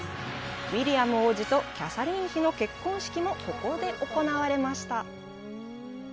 ウィリアム王子とキャサリン妃の結婚式もここで行われました。